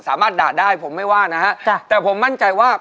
สามารถด่าได้ผมไม่ว่านะฮะจ้ะแต่ผมมั่นใจว่า